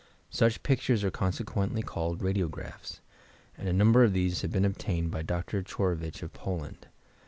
Such pic tures are consequently called "Radiographs," and a number of these have been obtained by Dr. Ochorovicz of Poland.